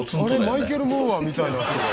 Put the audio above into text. マイケル・ムーアみたいな人が。